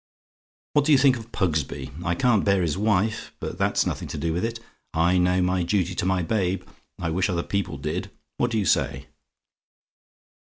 "What do you think of Pugsby? I can't bear his wife; but that's nothing to do with it. I know my duty to my babe: I wish other people did. What do you say?